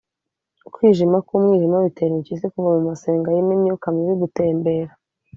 kwijima k’umwijima bitera impyisi kuva mu masenga n’imyuka mibi gutembera!